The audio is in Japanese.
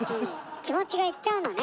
気持ちが行っちゃうのね